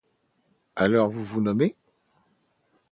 Alors, vous vous nommez ?